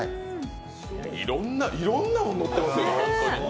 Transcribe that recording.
いろんなもの、のってますよ